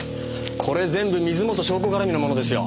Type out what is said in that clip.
これ全部水元湘子がらみのものですよ。